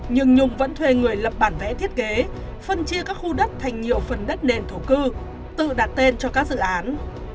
nhưng nhung vẫn thuê người lập bản vẽ thiết kế phân chia các khu đất thành nhiều phần đất nền thổ cư tự đặt tên cho các dự án